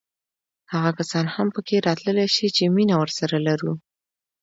هغه کسان هم پکې راتللی شي چې مینه ورسره لرو.